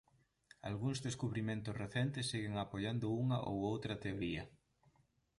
Algúns descubrimentos recentes seguen apoiando unha ou outra teoría.